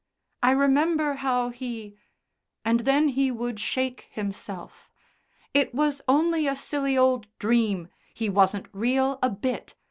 "I remember how He ..." And then he would shake himself. "It was only a silly old dream. He wasn't real a bit.